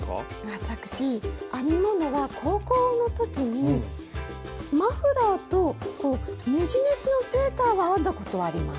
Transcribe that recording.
私編み物は高校の時にマフラーとこうねじねじのセーターは編んだことはあります。